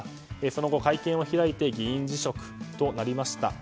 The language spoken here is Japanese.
その後、会見を開いて議員辞職となりました。